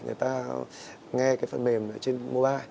người ta nghe cái phần mềm trên mobile